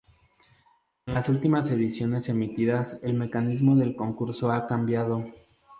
En las últimas ediciones emitidas el mecanismo del concurso ha cambiado.